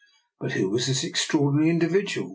But who was this extraordinary individual.